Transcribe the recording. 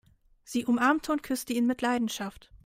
Sie umarmte und küsste ihn mit Leidenschaft.